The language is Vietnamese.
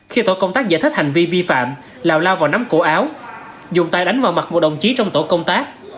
khi tổ công tác giải thích hành vi vi phạm lào lao vào nắm cổ áo dùng tay đánh vào mặt một đồng chí trong tổ công tác